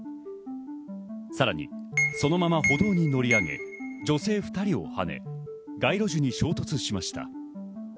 さらにそのまま歩道に乗り上げ、女性２人を跳ね、街路樹に衝突しました。